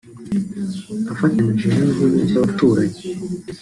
afatanije n’ibihugu by’abaturanyi